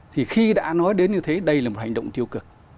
thì khi đã nói đến như thế đây là một hành động tiêu cực